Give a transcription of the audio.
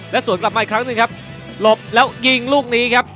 สวนกลับมาอีกครั้งหนึ่งครับหลบแล้วยิงลูกนี้ครับ